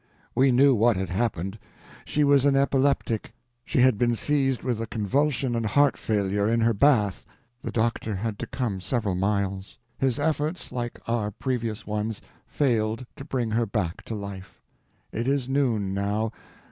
We knew what had happened. She was an epileptic: she had been seized with a convulsion and heart failure in her bath. The doctor had to come several miles. His efforts, like our previous ones, failed to bring her back to life. It is noon, now.